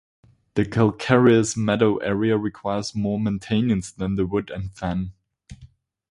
The calcareous meadow area requires more maintenance than the wood and fen.